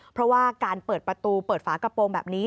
เพราะว่าการเปิดประตูเปิดฝากระโปรงแบบนี้